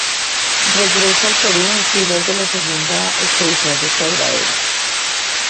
Regresó al Perú en filas de la Segunda Expedición Restauradora.